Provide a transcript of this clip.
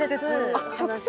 あっ直接。